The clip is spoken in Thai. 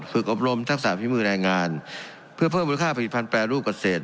ฝึกอบรมทักษะฝีมือแรงงานเพื่อเพิ่มมูลค่าผลิตภัณฑ์แปรรูปเกษตร